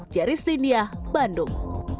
jari sindia bandung